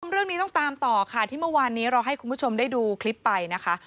เรื่องนี้ต้องตามต่อค่ะที่เมื่อวานนี้เราให้คุณผู้ชมได้ดูคลิปไปนะคะ